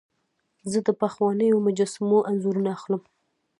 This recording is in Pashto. زه د پخوانیو مجسمو انځورونه اخلم.